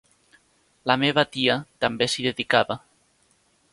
La meva tia també s'hi dedicava.